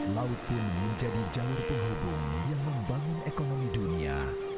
laut pun menjadi jalur penghubung yang membangun ekonomi dunia